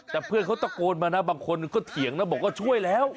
แต่เพื่อนเขาตะโกนมาบางคนเขาเถียงบอกก็ช่วยแล้ว